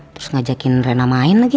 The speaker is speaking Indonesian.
terus ngajakin rena main lagi